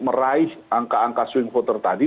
meraih angka angka swing voter tadi